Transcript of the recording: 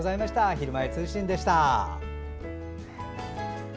「ひるまえ通信」でした。